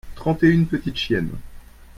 trente et une petites chiennes.